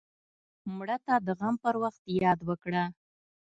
مړه ته د غم پر وخت یاد وکړه